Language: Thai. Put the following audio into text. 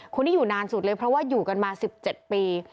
คนนี้อยู่นานสุดเลยเพราะว่าอยู่กันมา๑๗ปี